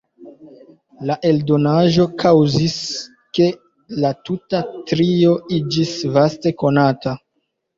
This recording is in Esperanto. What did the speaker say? La eldonaĵo kaŭzis, ke la tuta trio iĝis vaste konata.